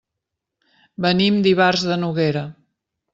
Venim d'Ivars de Noguera.